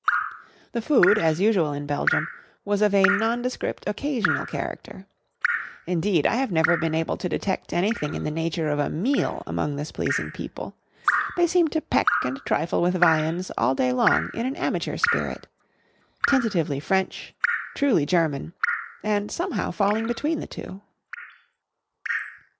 The food, as usual in Belgium, was of a nondescript occasional character; indeed I have never been able to detect anything in the nature of a meal among this pleasing people; they seem to peck and trifle with viands all day long in an amateur spirit: tentatively French, truly German, and somehow falling between the two.